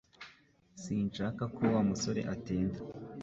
Sinshaka ko Wa musore atinda